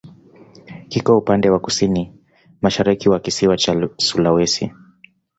Kiko upande wa kusini-mashariki wa kisiwa cha Sulawesi.